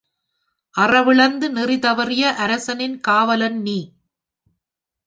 அறிவிழந்து நெறிதவறிய அரசனின் காவலன் நீ!